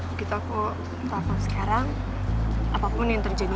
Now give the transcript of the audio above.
begitu aku mau telfon sekarang apapun yang terjadi nanti